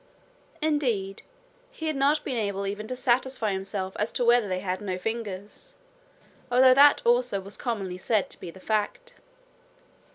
Indeed, he had not been able even to satisfy himself as to whether they had no fingers, although that also was commonly said to be the fact.